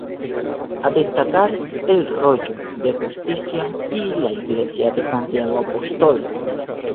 A destacar el Rollo de Justicia y la iglesia de Santiago Apóstol.